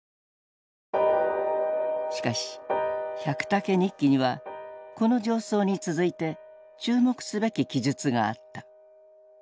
しかし「百武日記」にはこの上奏に続いて注目すべき記述があった。